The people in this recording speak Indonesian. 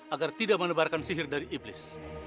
agar tidak menebarkan sihir dari iblis